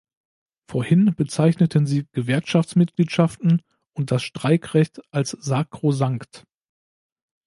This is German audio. Vorhin bezeichneten Sie Gewerkschaftsmitgliedschaften und das Streikrecht als sakrosankt.